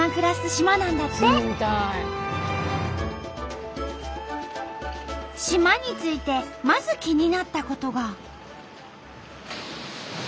島に着いてまず気になったことが。